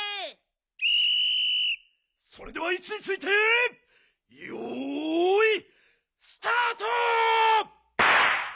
それではいちについてよいスタート！